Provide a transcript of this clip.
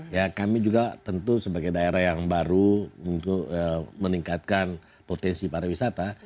ya kami juga tentu sebagai daerah yang baru untuk meningkatkan potensi pariwisata